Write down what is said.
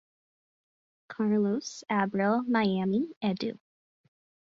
Carlos Abril Miami edu